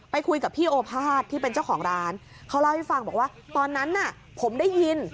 คุยกับพี่โอภาษที่เป็นเจ้าของร้านเขาเล่าให้ฟังบอกว่าตอนนั้นน่ะผมได้ยิน